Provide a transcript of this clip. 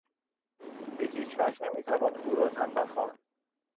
به هیچوجه نمیتوان او را تنبل خواند.